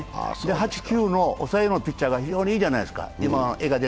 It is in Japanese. ８、９の抑えのピッチャーが非常にいいじゃないですか。